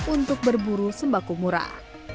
untuk berburu sembako murah